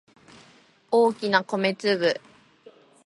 大きな米粒